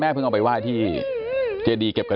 อะไรจะได้เถอะ